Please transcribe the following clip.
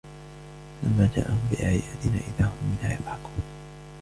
فلما جاءهم بآياتنا إذا هم منها يضحكون